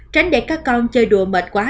tránh để các con chơi đùa mệt quá